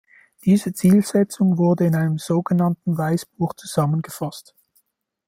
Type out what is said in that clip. Diese Zielsetzung wurde in einem so genannten „Weißbuch“ zusammengefasst.